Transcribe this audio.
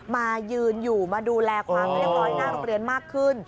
มายืนอยู่มาดูแลความเรียบร้อยหน้าโรงเรียนมากขึ้น